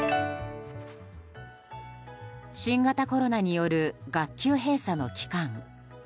新型コロナによる学級閉鎖の期間。